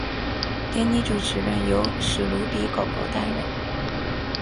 典礼主持人由史奴比狗狗担任。